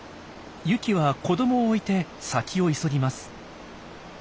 ユキは子どもを置いて先を急ぎます。